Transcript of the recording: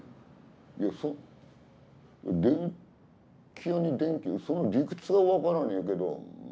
いや電気屋に電球ってその理屈が分からねえけど。